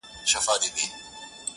پير، مُريد او ملا هم درپسې ژاړي_